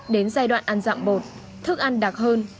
đến giai đoạn ăn dặm bột thức ăn đặc hơn